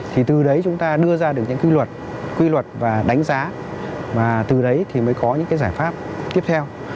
thì từ đấy chúng ta đưa ra được những quy luật và đánh giá và từ đấy thì mới có những cái giải pháp tiếp theo